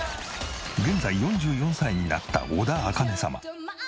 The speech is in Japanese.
現在４４歳になった小田茜様。